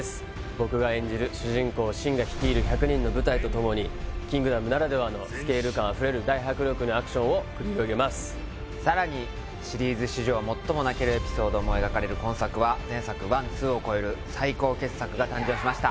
僕が演じる主人公・信が率いる１００人の部隊とともに「キングダム」ならではのスケール感あふれる大迫力のアクションを繰り広げますさらにシリーズ史上最も泣けるエピソードも描かれる今作は前作１２を超える最高傑作が誕生しました